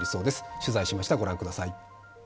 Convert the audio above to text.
取材しました、ご覧ください。